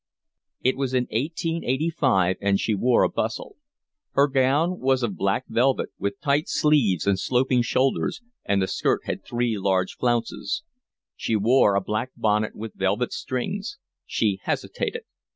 It was in eighteen eighty five, and she wore a bustle. Her gown was of black velvet, with tight sleeves and sloping shoulders, and the skirt had three large flounces. She wore a black bonnet with velvet strings. She hesitated.